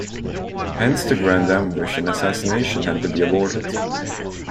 Hence the grand ambush and assassination had to be aborted.